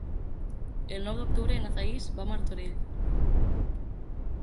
El nou d'octubre na Thaís va a Martorell.